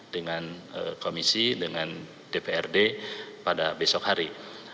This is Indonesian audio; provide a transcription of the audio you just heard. dengan komisi dengan dprd pada besok hari